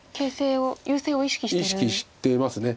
意識してます。